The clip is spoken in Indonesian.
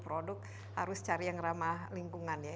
produk harus cari yang ramah lingkungan ya